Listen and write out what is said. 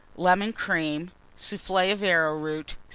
Lemon Cream. Soufflé of Arrowroot.